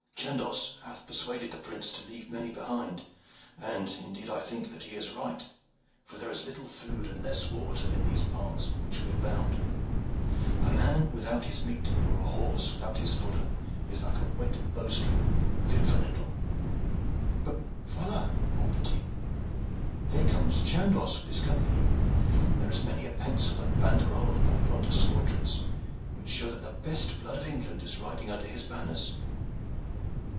Chandos hath persuaded the prince to leave many behind, and indeed I think that he is right, for there is little food and less water in these parts for which we are bound. A man without his meat or a horse without his fodder is like a wet bow string, fit for little. But voila, mon petit, here comes Chandos and his company, and there is many a pensil and banderole among yonder squadrons which show that the best blood of England is riding under his banners."